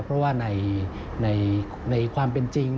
เพราะว่าในความเป็นจริง